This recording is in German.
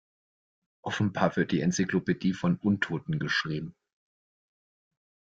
Offenbar wird die Enzyklopädie von Untoten geschrieben.